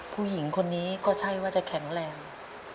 ผู้หญิงคนนี้ก็ใช่ว่าจะแข็งแรง